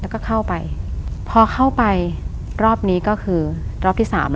แล้วก็เข้าไปพอเข้าไปรอบนี้ก็คือรอบที่สาม